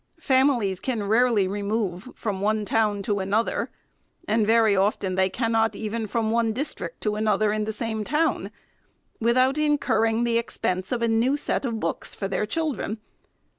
Families can rarely remove from one town to another, and, very often, they cannot, even from one district to another in the same town, without incurring the expense of a new set of books for their children.